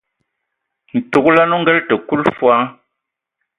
Ntugəlɛn o ngənə təg kulɛn fol.